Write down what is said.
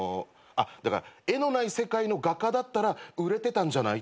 あっだから絵のない世界の画家だったら売れてたんじゃない？